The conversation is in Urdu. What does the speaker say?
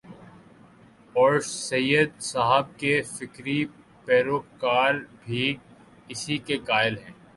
اورسید صاحب کے فکری پیرو کار بھی اسی کے قائل ہیں۔